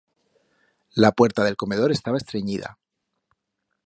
La puerta d'el comedor estaba estrenyida.